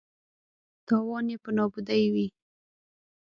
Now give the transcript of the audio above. تاوان یې په نابودۍ وي.